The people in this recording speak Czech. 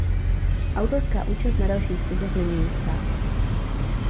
Autorská účast na dalších spisech není jistá.